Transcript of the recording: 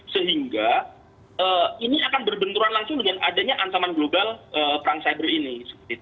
sehingga ini akan berbenturan langsung dengan adanya ancaman global perang cyber ini